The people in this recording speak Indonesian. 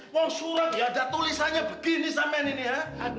wang surat ya ada tulisannya begini sampian ini ya